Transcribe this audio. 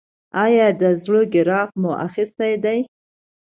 ایا د زړه ګراف مو اخیستی دی؟